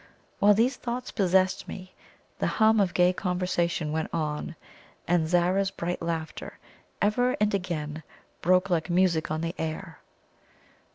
While these thoughts possessed me, the hum of gay conversation went on, and Zara's bright laughter ever and again broke like music on the air.